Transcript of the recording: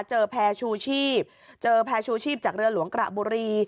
แพร่ชูชีพเจอแพร่ชูชีพจากเรือหลวงกระบุรี